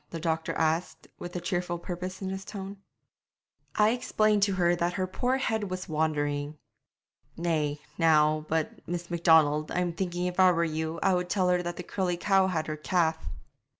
the doctor asked, with a cheerful purpose in his tone. 'I explained to her that her poor head was wandering.' 'Nay, now, but, Miss Macdonald, I'm thinking if I were you I would tell her that the curly cow had her calf.'